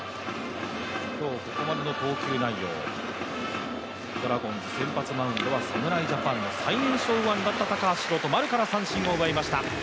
今日ここまでの投球内容、ドラゴンズ先発マウンドは侍ジャパンの最年少右腕だった高橋宏斗丸から三振を奪いました。